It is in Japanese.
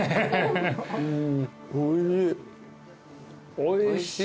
おいしい。